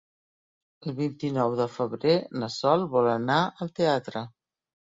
El vint-i-nou de febrer na Sol vol anar al teatre.